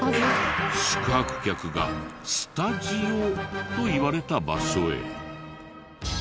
宿泊客がスタジオと言われた場所へ。